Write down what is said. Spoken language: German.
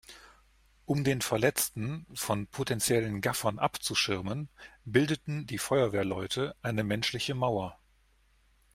Um den Verletzten von potenziellen Gaffern abzuschirmen, bildeten die Feuerwehrleute eine menschliche Mauer.